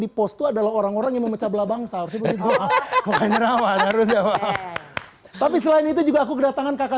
dipost adalah orang orang yang memecah belah bangsa tapi selain itu juga aku kedatangan kakak